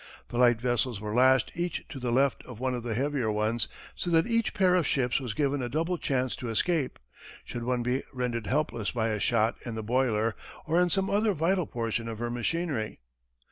The light vessels were lashed each to the left of one of the heavier ones, so that each pair of ships was given a double chance to escape, should one be rendered helpless by a shot in the boiler, or in some other vital portion of her machinery.